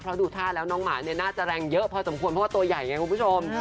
เพราะดูท่าแล้วน้องหมาเนี่ยน่าจะแรงเยอะพอสมควรเพราะว่าตัวใหญ่ไงคุณผู้ชม